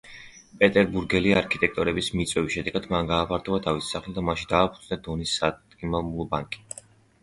პეტერბურგელი არქიტექტორების მიწვევის შედეგად მან გააფართოვა თავისი სახლი და მასში დააფუძნა დონის საადგილმამულო ბანკი.